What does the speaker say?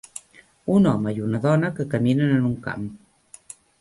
Un home i una dona que caminen en un camp